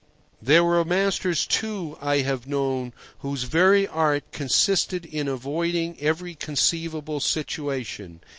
There were masters, too, I have known, whose very art consisted in avoiding every conceivable situation.